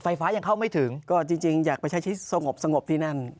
ไฟฟ้ายังเข้าไม่ถึงก็จริงอยากไปใช้ชีวิตสงบที่นั่น